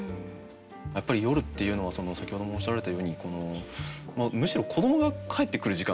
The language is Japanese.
やっぱり夜っていうのは先ほどもおっしゃられたようにむしろ子どもが帰ってくる時間ですよね。